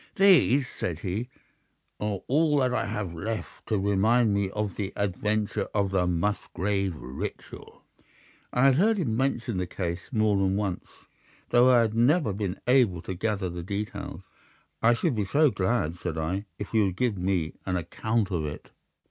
"These," said he, "are all that I have left to remind me of the adventure of the Musgrave Ritual." I had heard him mention the case more than once, though I had never been able to gather the details. "I should be so glad," said I, "if you would give me an account of it."